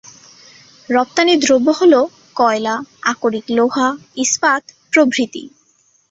রপ্তানি দ্রব্য হল- কয়লা, আকরিক লোহা, ইস্পাত প্রভৃতি।